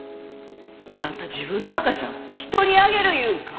あんた自分の赤ちゃん人にあげるいうんか？